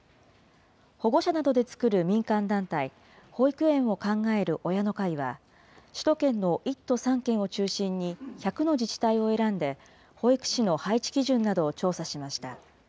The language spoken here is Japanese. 保護者などで作る民間団体、保育園を考える親の会は、首都圏の１都３県を中心に１００の自治体を選んで、保育士の配置基準などを調査しました。